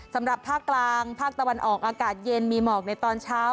สำหรับภาคกลางภาคตะวันออกอากาศเย็นมีหมอกในตอนเช้า